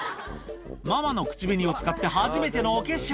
ママの口紅を使って初めてのお化粧。